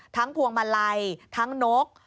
ทั้งภวงมาลัยทั้งนก